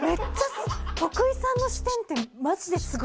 徳井さんの視点ってすごい。